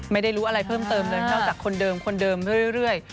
ไม่ได้รู้อะไรเพิ่มเติมเลยนอกจากคนเดิมคนเดิมเรื่อย